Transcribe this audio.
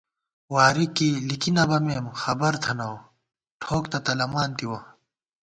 واری کی لِکی نہ بَمېم خبر تھنَؤ ٹھوک تہ تلَمانتِوَہ